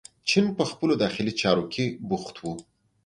چین په خپلو داخلي چارو کې بوخت و.